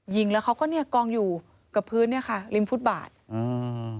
ยิงแล้วเขาก็เนี้ยกองอยู่กับพื้นเนี้ยค่ะริมฟุตบาทอืม